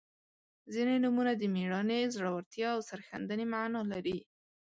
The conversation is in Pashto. • ځینې نومونه د میړانې، زړورتیا او سرښندنې معنا لري.